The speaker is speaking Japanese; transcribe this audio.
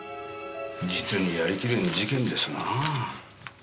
実にやり切れん事件ですなぁ。